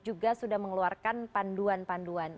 juga sudah mengeluarkan panduan panduan